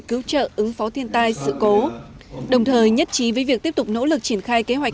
cứu trợ ứng phó thiên tai sự cố đồng thời nhất trí với việc tiếp tục nỗ lực triển khai kế hoạch